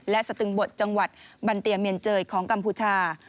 และสตึงบทจังหวัดบันเตียเมียนเจยของกัมพูชา